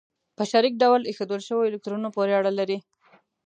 په شریک ډول ایښودل شوو الکترونونو پورې اړه لري.